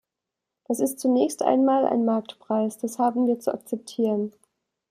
Das ist zunächst einmal ein Marktpreis. Das haben wir zu akzeptieren.